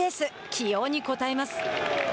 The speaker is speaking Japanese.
起用に応えます。